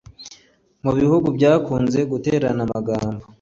mu bihugu byakunze guterana amagambo